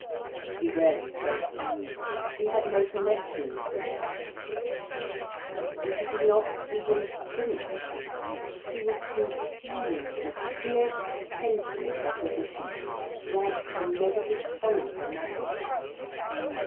She rarely spoke, she had no connection with the world. And she did not even think. She was consumed in a fierce tension of opposition, like the negative pole of a magnet.